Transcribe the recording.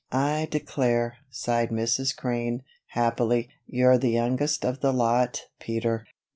"I declare," sighed Mrs. Crane, happily, "you're the youngest of the lot, Peter."